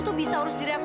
terima kasih pak